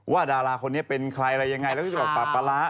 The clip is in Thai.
ว่าดาราคนนี้เป็นใครอะไรยังไงแล้วเปล่าปลับปลาร้า